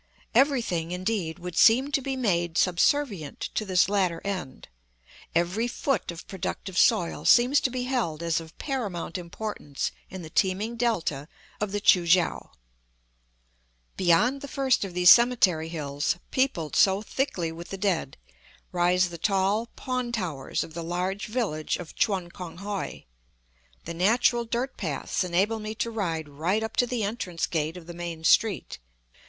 Everything, indeed, would seem to be made subservient to this latter end; every foot of productive soil seems to be held as of paramount importance in the teeming delta of the Choo kiang. Beyond the first of these cemetery hills, peopled so thickly with the dead, rise the tall pawn towers of the large village of Chun Kong hoi. The natural dirt paths enable me to ride right up to the entrance gate of the main street.